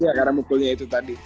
ya karena mukulnya itu tadi